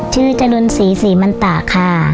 ชื่อจรุนศรีศรีมันตะค่ะ